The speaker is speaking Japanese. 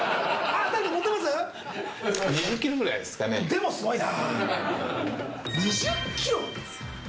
でもすごいな。